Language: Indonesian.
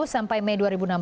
sampai mei dua ribu enam belas